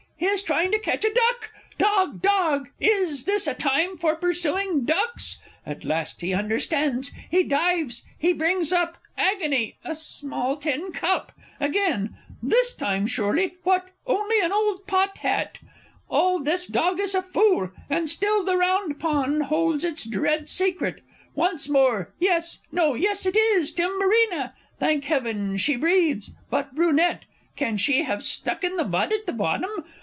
he is trying to catch a duck! Dog, dog, is this a time for pursuing ducks? At last he understands he dives ... he brings up agony! a small tin cup! Again ... this time, surely what, only an old pot hat!... Oh, this dog is a fool! And still the Round Pond holds its dread secret! Once more ... yes no, yes, it is Timburina! Thank Heaven, she yet breathes! But Brunette? Can she have stuck in the mud at the bottom?